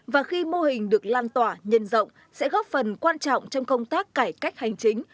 và khi mô hình được lan tỏa nhân rộng sẽ góp phần quan trọng trong công tác cải cách hành chính